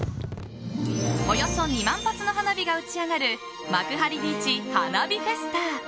およそ２万発の花火が打ち上がる幕張ビーチ花火フェスタ。